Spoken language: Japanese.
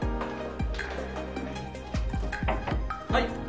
はい。